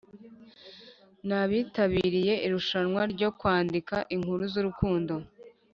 n’abitabiriye irushanwa ryo kwandika inkuru z’urukundo